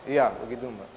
iya begitu mbak